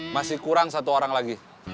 masih kurang satu orang lagi